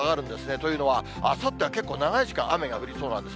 というのは、あさっては結構長い時間雨が降りそうなんです。